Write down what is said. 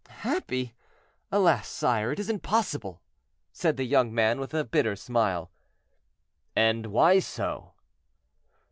"Happy! alas, sire, it is impossible," said the young man with a bitter smile. "And why so?"